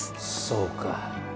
そうか。